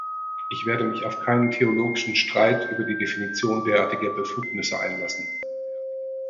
Ich werde mich auf keinen theologischen Streit über die Definition derartiger Befugnisse einlassen.